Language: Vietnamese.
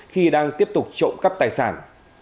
khi đang tiếp tục trộm cấp tài sản